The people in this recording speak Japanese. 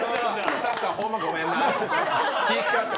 スタッフさん、ほんまごめんな。